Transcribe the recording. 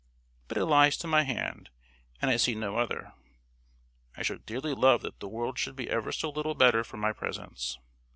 But it lies to my hand, and I see no other. I should dearly love that the world should be ever so little better for my presence.